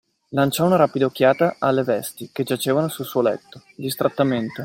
Lanciò una rapida occhiata alle vesti che giacevano sul suo letto, distrattamente.